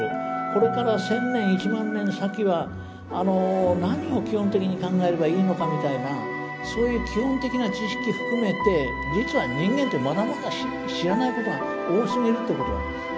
これから１，０００年１万年先は何を基本的に考えればいいのかみたいなそういう基本的な知識含めて実は人間ってまだまだ知らないことが多すぎるということなんです。